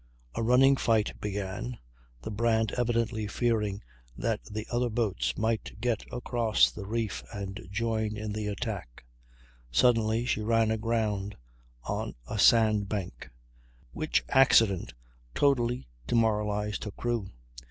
A running fight began, the Brant evidently fearing that the other boats might get across the reef and join in the attack; suddenly she ran aground on a sand bank, which accident totally demoralized her crew.